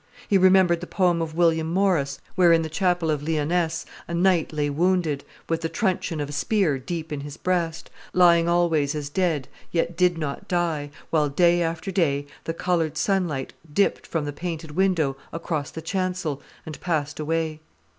He remembered the poem of William Morris, where in the Chapel of Lyonesse a knight lay wounded, with the truncheon of a spear deep in his breast, lying always as dead, yet did not die, while day after day the coloured sunlight dipped from the painted window across the chancel, and passed away.